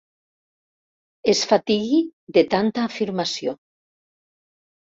Es fatigui de tanta afirmació.